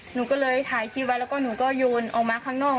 หนูก็เลยถ่ายคลิปไว้แล้วก็หนูก็โยนออกมาข้างนอก